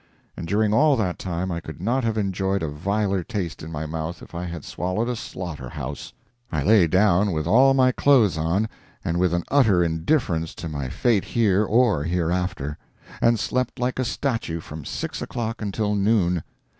And during all that time, I could not have enjoyed a viler taste in my mouth if I had swallowed a slaughter house. I lay down with all my clothes on, and with an utter indifference to my fate here or hereafter, and slept like a statue from six o'clock until noon.